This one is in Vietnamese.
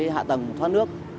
hạ tầng thoát nước